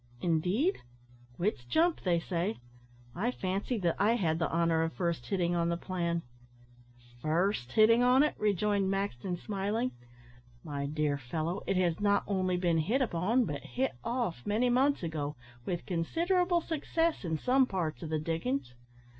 "Indeed! wits jump, they say. I fancied that I had the honour of first hitting on the plan." "First hitting on it!" rejoined Maxton, smiling. "My dear fellow, it has not only been hit upon, but hit off, many months ago, with considerable success in some parts of the diggings.